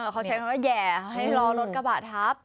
เขาใช้คำว่าแห่ให้รอรถกระบะทับ